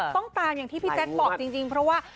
ต้องตามอย่างที่พี่แจ๊คบอกจริงเพราะว่า